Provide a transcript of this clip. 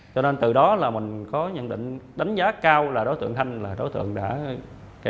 cho nên từ đó là mình có nhận định đánh giá cao là đối tượng thanh là đối tượng đã